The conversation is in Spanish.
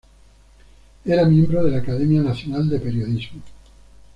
Era miembro de la Academia Nacional de Periodismo.